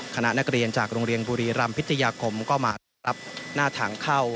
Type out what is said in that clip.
คณะนักเรียนจากโรงเรียนบุรีรำพิทยาคมก็มารับหน้าถังเข้า